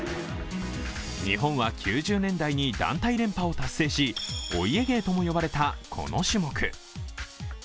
日本は９０年代に団体連覇を達成しお家芸とも呼ばれたこの種目。